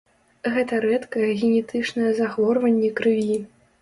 Гэта рэдкае генетычнае захворванне крыві.